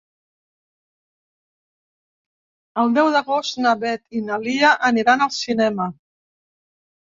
El deu d'agost na Beth i na Lia aniran al cinema.